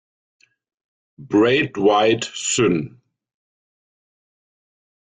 Braithwaite, syn.